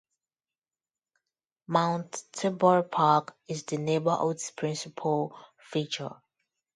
Mount Tabor Park is the neighborhood's principal feature.